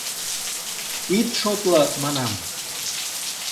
— Ит шотло, манам!